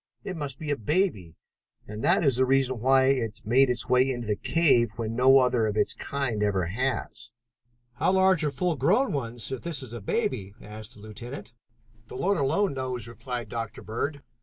It must be a baby, and that is the reason why it made its way into the cave when no other of its kind ever has." "How large are full grown ones if this is a baby?" asked the lieutenant. "The Lord alone knows," replied Dr. Bird.